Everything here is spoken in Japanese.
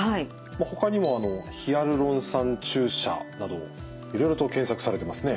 ほかにも「ヒアルロン酸注射」などいろいろと検索されてますね。